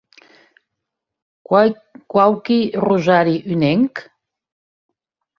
Quauqui rosari unenc?